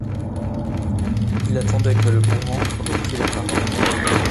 Il attendait que le mourant reprît la parole.